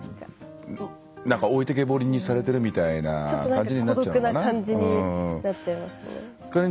置いてけぼりにされてるみたいな感じになっちゃうのかな。